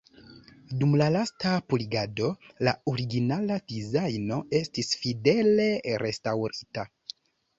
Dum la lasta purigado la originala dizajno estis fidele restaŭrita.